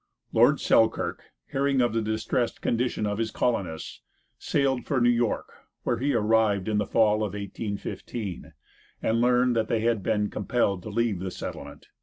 Lord Selkirk, hearing of the distressed condition of his colonists, sailed for New York, where he arrived in the fall of 1815, and learned they had been compelled to leave the settlement.